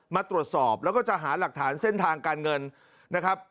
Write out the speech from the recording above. มาตรวจสอบแล้วก็จะหาหลักฐานเส้นทางการเงินนะครับ